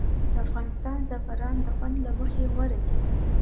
د افغانستان زعفران د خوند له مخې غوره دي